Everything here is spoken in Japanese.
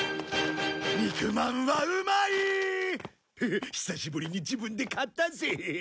「肉まんはうまい」フフッ久しぶりに自分で買ったぜ。